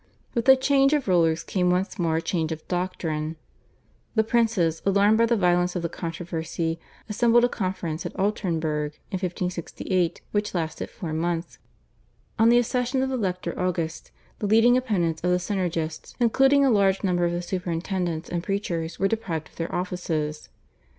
With the change of rulers came once more a change of doctrine. The princes, alarmed by the violence of the controversy, assembled a conference at Alternburg in 1568 which lasted four months without arriving at any agreement. On the accession of the Elector August the leading opponents of the Synergists, including a large number of the superintendents and preachers, were deprived of their offices.